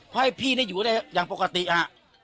เพราะให้พี่ได้อยู่ได้อย่างปกติอ่ะ